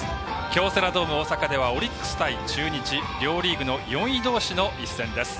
京セラドーム大阪ではオリックス対中日両リーグの４位どうしの一戦です。